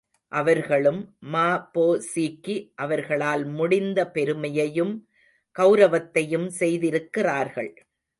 அவர்களும், ம.பொ.சிக்கு அவர்களால் முடிந்த பெருமையையும் கெளரவத்தையும் செய்திருக்கிறார்கள்.